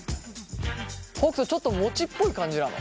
北斗ちょっと餅っぽい感じなの？